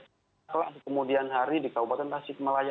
setelah kemudian hari di kabupaten pasir kemalaya